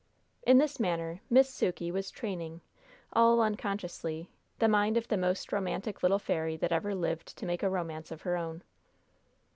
In this manner Miss Sukey was training, all unconsciously, the mind of the most romantic little fairy that ever lived to make a romance of her own.